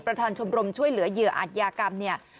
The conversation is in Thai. ประธานชมรมช่วยเหลือเหยื่ออันยากรรมเนี่ย